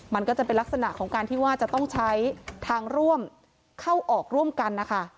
มันก็จะเป็นลักษณะของการที่ว่าจะต้องใช้ทางร่วมเข้าออกร่วมกันนะคะ